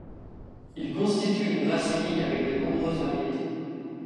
Ils constituent une race unique avec de nombreuses variétés.